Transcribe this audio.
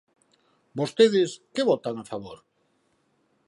Vostedes ¿que votan a favor?